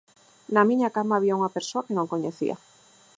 na miña cama había unha persoa que non coñecía.